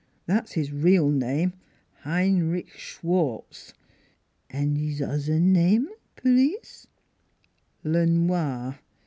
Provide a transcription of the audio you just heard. That's his real name Heinrich Schwartz! "" An' 'is ozzer name pi ease? "" Le Noir.